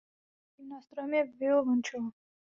Jejím nástrojem je violoncello.